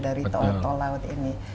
dari tol laut ini